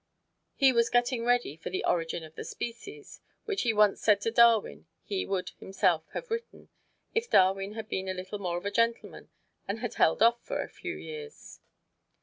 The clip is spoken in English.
He was getting ready for "The Origin of Species," which he once said to Darwin he would himself have written, if Darwin had been a little more of a gentleman and had held off for a few years.